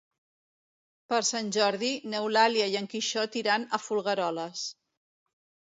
Per Sant Jordi n'Eulàlia i en Quixot iran a Folgueroles.